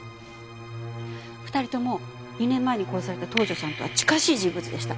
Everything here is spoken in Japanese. ２人とも２年前に殺された東条さんとは近しい人物でした。